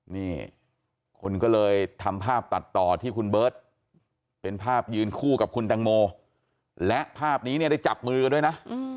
นี่คนก็เลยทำภาพตัดต่อที่คุณเบิร์ตเป็นภาพยืนคู่กับคุณแตงโมและภาพนี้เนี่ยได้จับมือกันด้วยนะ